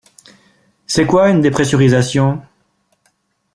C'est quoi une dépressurisation?